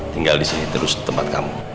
tinggal disini terus tempat kamu